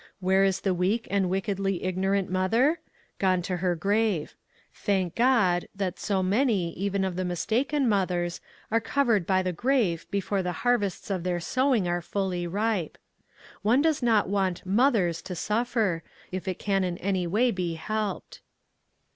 Where is the weak and wickedly ignorant mother? Gone to her grave. Thank God, that so many, even of the mistaken mothers, are covered by the grave before the harvests of their sowing are fully ripe ! One does not want mothers to suffer, if it can in any way be helped.